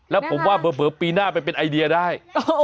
แล้วผมว่าเบอร์ปีหน้าไปเป็นไอเดียได้